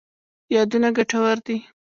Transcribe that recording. یادونه ګټور دي.